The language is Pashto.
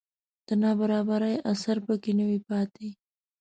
د نابرابرۍ اثر په کې نه وي پاتې